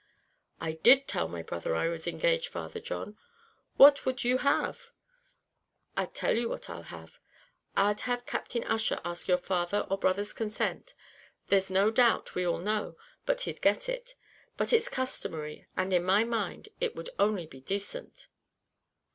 "I did tell my brother I was engaged, Father John; what would you have?" "I'll tell you what I'd have. I'd have Captain Ussher ask your father or brother's consent: there's no doubt, we all know, but he'd get it; but it's customary, and, in my mind, it would only be decent."